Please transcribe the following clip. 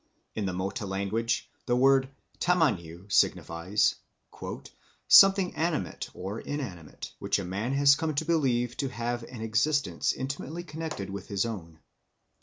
In the Mota language the word tamaniu signifies "something animate or inanimate which a man has come to believe to have an existence intimately connected with his own.